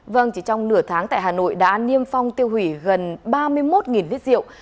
vâng chỉ trong nửa tháng tại hà nội đã niêm phong tiêu hủy gần ba mươi một lít rượu